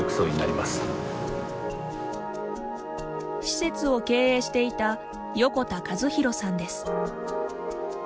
施設を経営していた横田和広さんです。